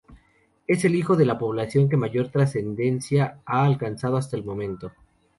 Es el hijo de la población que mayor transcendencia ha alcanzado hasta el momento.